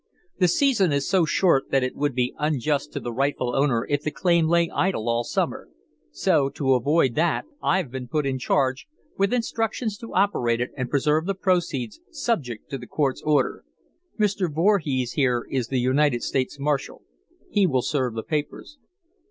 The season is so short that it would be unjust to the rightful owner if the claim lay idle all summer so, to avoid that, I've been put in charge, with instructions to operate it and preserve the proceeds subject to the court's order. Mr. Voorhees here is the United States Marshal. He will serve the papers."